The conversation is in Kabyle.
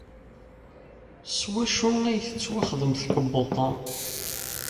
S wacu ay tettwaxdem tkebbuḍt-a?